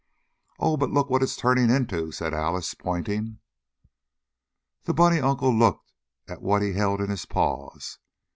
"Oh! But look what it's turning into!" said Alice, pointing. The bunny uncle looked at what he held in his paws.